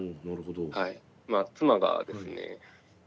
妻がですね